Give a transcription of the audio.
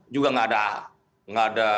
juga nggak ada